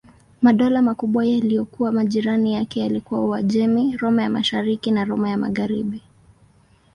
Madola makubwa yaliyokuwa majirani yake yalikuwa Uajemi, Roma ya Mashariki na Roma ya Magharibi.